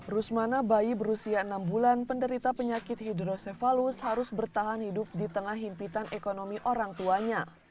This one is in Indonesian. rusmana bayi berusia enam bulan penderita penyakit hidrosefalus harus bertahan hidup di tengah himpitan ekonomi orang tuanya